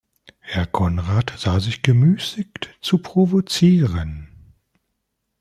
Herr Konrad sah sich gemüßigt zu provozieren.